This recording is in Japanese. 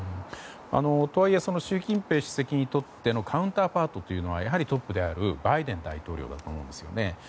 とはいえ習近平主席にとってのカウンターパートというのはやはりトップであるバイデン大統領だと思うんです。